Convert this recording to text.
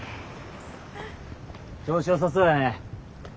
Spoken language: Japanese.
調子よさそうやね。